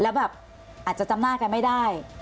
แล้วแบบอาจจะจำหน้ากันไม่ได้